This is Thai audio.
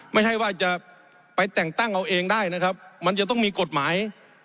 ไม่ใช่ว่าจะไปแต่งตั้งเอาเองได้นะครับมันจะต้องมีกฎหมาย